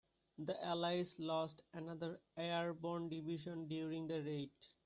The allies lost another airborne division during the raid.